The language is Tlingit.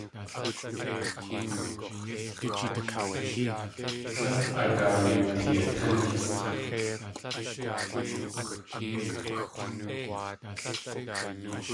Líl a daa yoo teetángik̲!